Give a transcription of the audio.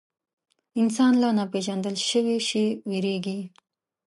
انسان له ناپېژندل شوي شي وېرېږي.